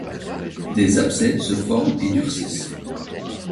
Des abcès se forment et durcissent.